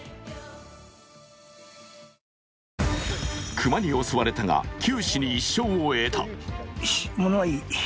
熊に襲われたが九死に一生を得た。